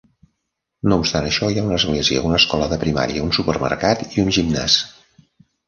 No obstant això, hi ha una església, una escola de primària, un supermercat i un gimnàs.